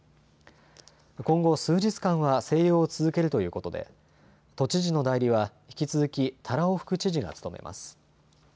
今後、数日間は静養を続けるということで都知事の代理は引き続き多羅尾副知事が務めます。